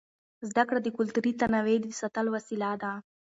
زده کړه د کلتوري تنوع د ساتلو وسیله ده.